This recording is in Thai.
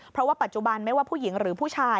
เพราะว่าปัจจุบันไม่ว่าผู้หญิงหรือผู้ชาย